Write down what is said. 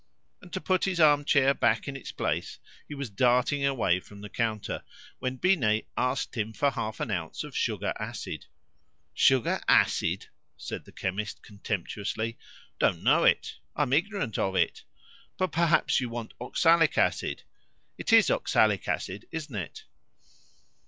And to put his arm chair back in its place he was darting away from the counter, when Binet asked him for half an ounce of sugar acid. "Sugar acid!" said the chemist contemptuously, "don't know it; I'm ignorant of it! But perhaps you want oxalic acid. It is oxalic acid, isn't it?"